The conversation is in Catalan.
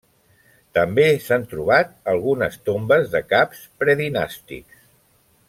També s'han trobat algunes tombes de caps predinàstics.